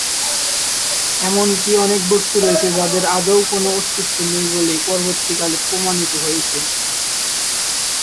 এমনকি অনেক বস্তু রয়েছে যাদের আদৌ কোন অস্তিত্ব নেই বলে পরবর্তীকালে প্রমাণিত হয়েছে।